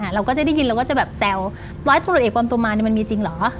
เราก็จะได้ยินเราก็จะแบบแซวร้อยตำรวจเอกปอมตุมานมันมีจริงเหรอ